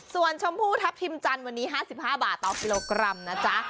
ส่วนชมพูทัพทิมจันทร์วันนี้๕๕บาทต่อกิโลกรัมนะจ๊ะ